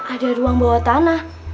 ada ruang bawah tanah